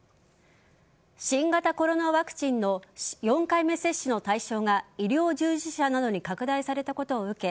新型コロナワクチンの４回目接種の対象が医療従事者などに拡大されたことを受け